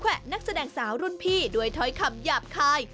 นักแสดงสาวรุ่นพี่ด้วยถ้อยคำหยาบคาย